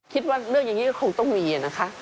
คิดว่าเรื่องอย่างนี้ก็คงต้องมีนะคะ